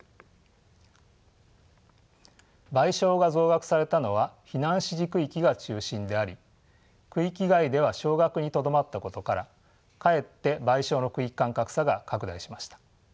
賠償が増額されたのは避難指示区域が中心であり区域外では少額にとどまったことからかえって賠償の区域間格差が拡大しました。